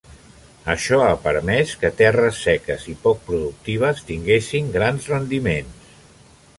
Això ha permès que terres seques i poc productives tinguessin grans rendiments.